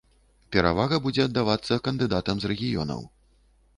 Перавага будзе аддавацца кандыдатам з рэгіёнаў.